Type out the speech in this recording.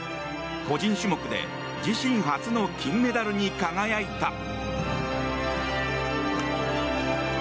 個人種目で自身初の金メダルに輝いた。